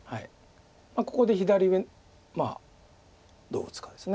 ここで左上どう打つかです。